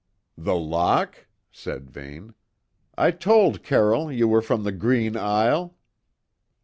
"The lough?" said Vane. "I told Carroll you were from the Green Isle."